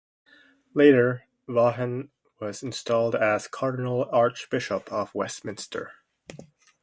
Later Vaughan was installed as Cardinal Archbishop of Westminster.